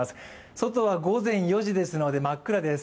外は午前４時ですので真っ暗です。